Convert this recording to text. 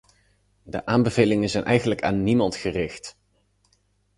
De aanbevelingen zijn eigenlijk aan niemand gericht.